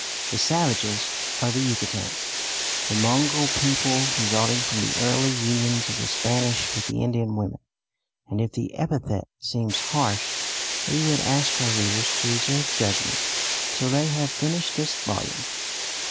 The savages are the Yucatecans, the mongrel people resulting from the early unions of the Spanish with the Indian women; and if the epithet seems harsh, we would ask our readers to reserve judgment till they have finished this volume.